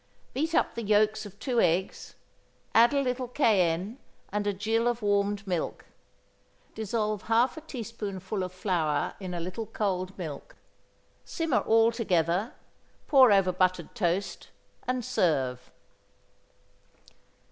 Beat up the yolks of two eggs; add a little cayenne and a gill of warmed milk; dissolve half a teaspoonful of flour in a little cold milk; simmer all together; pour over buttered toast, and serve.